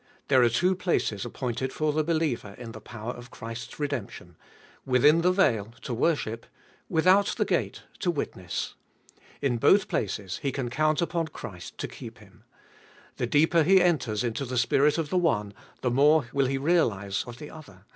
There are two places appointed for the believer in the power of Christ's redemption — within the veil, to worship ; without the gate, to witness. In both places 532 Ebe Ibolicst of Bli he can count upon Christ to keep him. The deeper he enters into the spirit of the one, the more will he realise of the other.